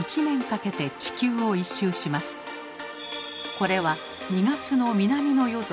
これは２月の南の夜空。